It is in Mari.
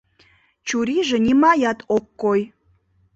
Чурийже нимаят ок кой.